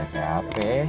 karena gak cape